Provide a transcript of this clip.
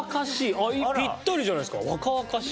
ピッタリじゃないですか「若々しい」。